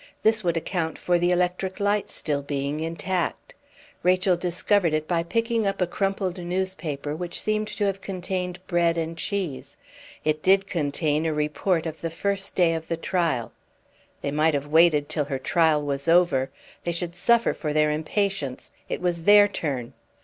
This would account for the electric light being still intact. Rachel discovered it by picking up a crumpled newspaper, which seemed to have contained bread and cheese; it did contain a report of the first day of the trial. They might have waited till her trial was over; they should suffer for their impatience, it was their turn.